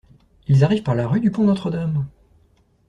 Ils arrivent par la rue du Pont-Notre-Dame!